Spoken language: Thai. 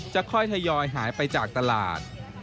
จะค่อยทยอยหายไปจากตลาด